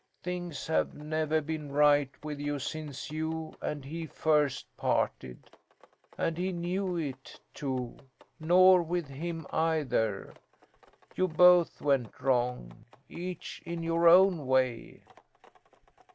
Things have never been right with you since you and he first parted, and he knew it, too, nor with him either. You both went wrong, each in your own way."